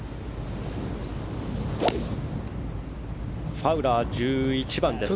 ファウラー、１１番です。